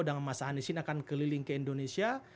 dan mas aniesin akan keliling ke indonesia